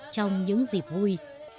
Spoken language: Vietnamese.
trong những dịp vui